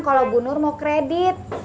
kalau bu nur mau kredit